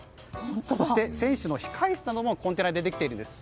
そして、選手の控室などもコンテナでできているんです。